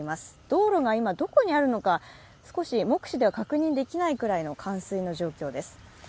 道路が今、どこにあるのか少し目視では確認できないぐらいの冠水の状況です。